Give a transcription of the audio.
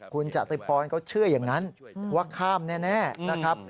คุณจตุพรเขาเชื่ออย่างนั้นว่าข้ามแน่นะครับ